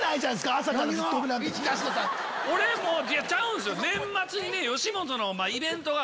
俺もちゃうんすよ。